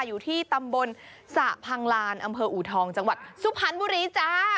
อยู่ที่ตำบลสระพังลานอำเภออูทองจังหวัดสุพรรณบุรีจ้า